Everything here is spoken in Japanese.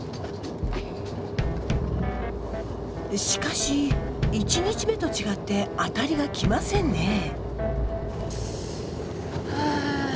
しかし１日目と違ってアタリが来ませんね。